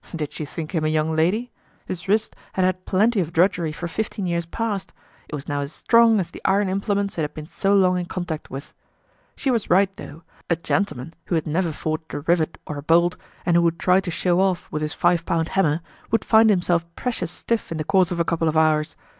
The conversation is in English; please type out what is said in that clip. Did she think him a young lady? His wrist had had plenty of drudgery for fifteen years past; it was now as strong as the iron implements it had been so long in contact with. She was right though; a gentleman who had never forged a rivet or a bolt, and who would try to show off with his five pound hammer, would find himself precious stiff in the course of a couple of hours.